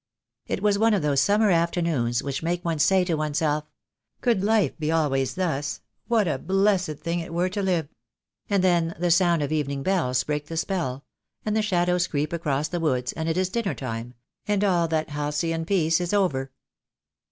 It was one of those summer afternoons which make one say to oneself, "Could life be always thus what a blessed thing it were to live!" and then the sound of evening bells breaks the spell, and the shadows creep across the woods, and it is dinner time, and all that halcyon peace is over.